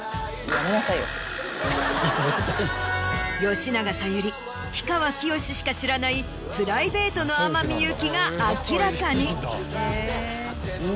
吉永小百合氷川きよししか知らないプライベートの天海祐希が明らかに。